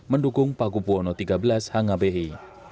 mendukung pak kubuono ke tiga belas hanga behi